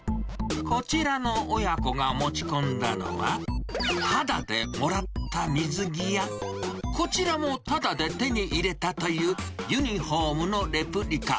こちらの親子が持ち込んだのは、ただでもらった水着や、こちらもただで手に入れたというユニホームのレプリカ。